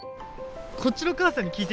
こっちの母さんに聞いてみる？